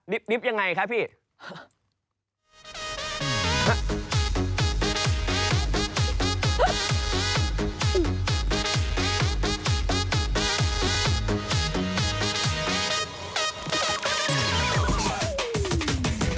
ดริปดริปอย่างไรครับพี่